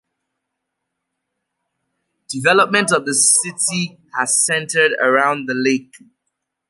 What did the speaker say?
Development of the city has centered around the lake.